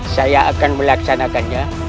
saya akan melaksanakannya